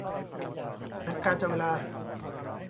นาฬิกาจับเวลา